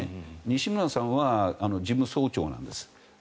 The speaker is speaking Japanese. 西村さんは事務総長なんです。